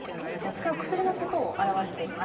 使う薬のことを表しています。